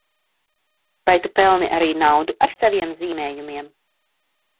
Vai tu pelni arī naudu ar saviem zīmējumiem?